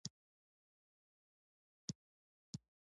د بالاحصار کلا په کابل کې ده